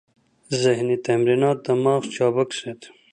ذهني تمرینات دماغ چابک ساتي.